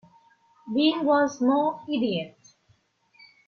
Bing was no idiot.